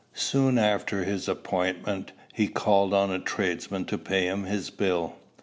Soon after his appointment, he called on a tradesman to pay him his bill.